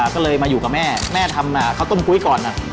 ก็เลยมาอยู่กับแม่แม่ทำข้าวต้มกุ้ยก่อน